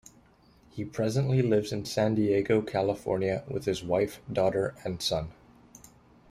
He presently lives in San Diego, California with his wife, daughter, and son.